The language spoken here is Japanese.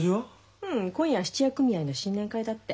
うん今夜は質屋組合の新年会だって。